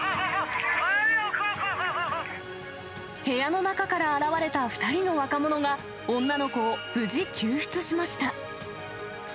部屋の中から現れた２人の若者が、女の子を無事救出しました。